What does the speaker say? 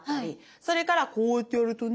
それからこうやってやるとね